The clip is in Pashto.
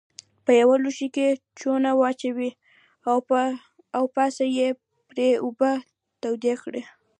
په یوه لوښي کې چونه واچوئ او پاسه پرې اوبه توی کړئ.